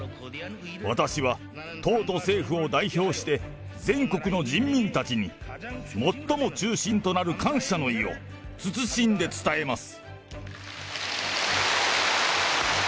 私は党と政府を代表して、全国の人民たちに、最も忠心となる感謝の意を謹んで伝えます。